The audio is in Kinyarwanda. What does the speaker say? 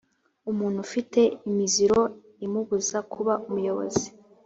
umuntu ufite imiziro imubuza kuba umuyobozi